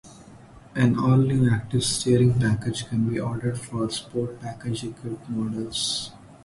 An all-new Active Steering package can be ordered for sport package equipped models.